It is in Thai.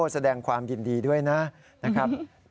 แสดงความยินดีด้วยนะ